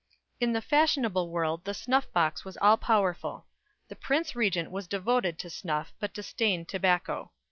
In the fashionable world the snuff box was all powerful. The Prince Regent was devoted to snuff, but disdained tobacco.